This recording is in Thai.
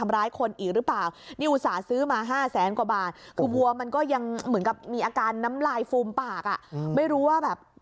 อันน้ำลายฟูมปากไม่รู้ว่าแบบ